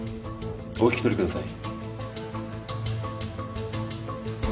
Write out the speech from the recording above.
お引き取りください。